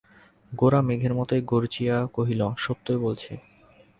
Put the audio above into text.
গোরা মেঘের মতো গর্জিয়া কহিল, সত্যই বলছি।